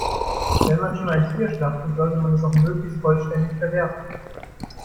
Wenn man schon ein Tier schlachtet, sollte man es auch möglichst vollständig verwerten.